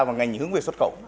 và ngành hướng về xuất khẩu